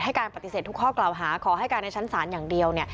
การปฏิเสธทุกข้อกล่าวหาขอให้การในชั้นศาลอย่างเดียว